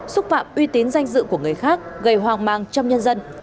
xúc phạm uy tín danh dự của người khác gây hoang mang trong nhân dân